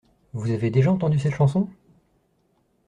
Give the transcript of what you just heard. Vous avez déjà entendu cette chanson?